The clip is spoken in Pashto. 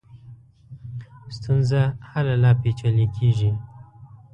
ستونزه هله لا پېچلې کېږي.